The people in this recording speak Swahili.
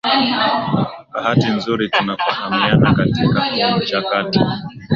bahati nzuri tunafahamiana katika huu mchakato